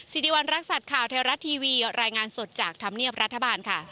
สิริวัณรักษัตริย์ข่าวเทวรัฐทีวีรายงานสดจากธรรมเนียบรัฐบาลค่ะ